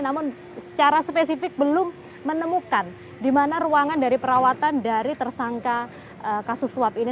namun secara spesifik belum menemukan di mana ruangan dari perawatan dari tersangka kasus suap ini